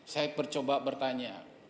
saya mencoba bertanya